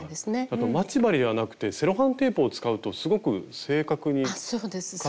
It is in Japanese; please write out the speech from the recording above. あと待ち針ではなくてセロハンテープを使うとすごく正確にカットできるんですね。